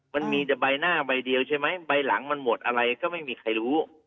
มันมีแต่ใบหน้าใบเดียวใช่ไหมใบหลังมันหมดอะไรก็ไม่มีใครรู้